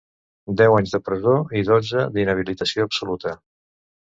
Deu anys de presó i dotze d’inhabilitació absoluta.